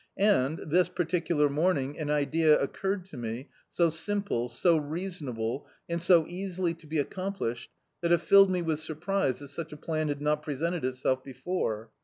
And, this particular morning, an idea occurred to me, so sim ple, so reasonable, and so easily to be accomplished, that it iilled me with surprise that such a plan had not presented itself before.